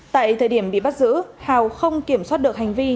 tại thời điểm bị bắt giữ hào không kiểm soát được hành vi